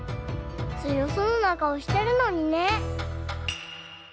つよそうなかおしてるのにね。